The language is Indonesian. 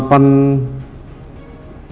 terus tanggal delapan